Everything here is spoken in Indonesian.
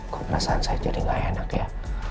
kok perasaan saya jadi gak enak ya